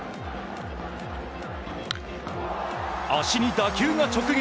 足に打球が直撃。